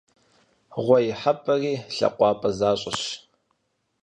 Гъуэ ихьэпӀэри лъакъуапӀэ защӀэщ.